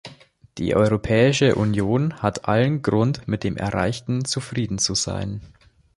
Die Europäische Union hat allen Grund, mit dem Erreichten zufrieden zu sein.